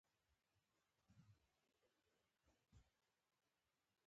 دې ولسوالۍ کې چې ګام به ګام ګرځېدلی،